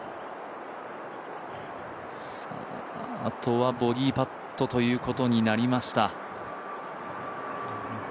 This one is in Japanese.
あとはボギーパットということになりました。